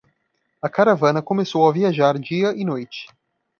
A caravana começou a viajar dia e noite.